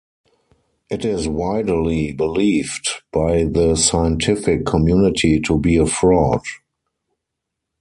It is widely believed by the scientific community to be a fraud.